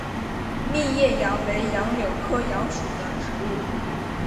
密叶杨为杨柳科杨属的植物。